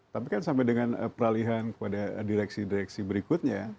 tapi kan sampai dengan peralihan kepada direksi direksi berikutnya